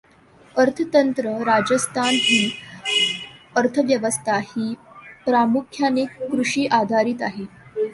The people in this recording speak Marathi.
अर्थतंत्र राजस्थान ची अर्थव्यवस्था ही प्रामुख्याने कृषीआधारित आहे.